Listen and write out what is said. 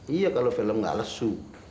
iya kalau film gak lesu